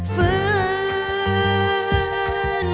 ฝืนใจเอาหน่อย